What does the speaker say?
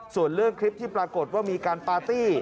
ส่วนเรื่องคลิปที่ปรากฏว่ามีการปาร์ตี้